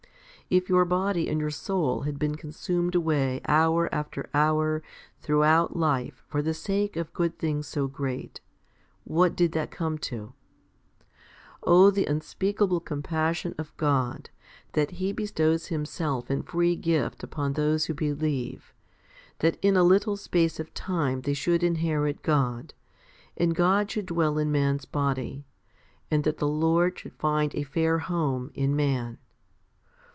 If your body and your soul had been consumed away hour after hour throughout life for the sake of good things so great, what did that come to ? Oh, the unspeakable compassion of God, that He bestows Himself in free gift upon those who believe, that in a little space of time they should inherit God, and God should dwell in man's body, and that the Lord should find a fair home in man